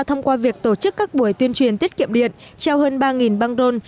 thông qua việc tổ chức các buổi tuyên truyền tiết kiệm điện cho hơn ba băng đôn